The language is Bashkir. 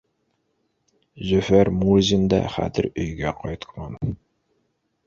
Зөфәр Мурзин да хәҙер өйгә ҡайтҡан.